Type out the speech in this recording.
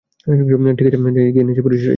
ঠিক আছে, যাই গিয়ে নিজের পরিচয় দিই।